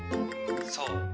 「そう」。